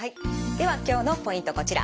では今日のポイントこちら。